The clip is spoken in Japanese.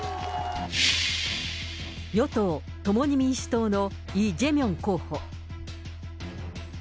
与党・共に民主党のイ・ジェミョン候補。